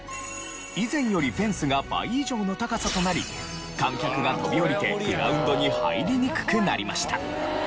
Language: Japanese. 以前よりフェンスが倍以上の高さとなり観客が飛び降りてグラウンドに入りにくくなりました。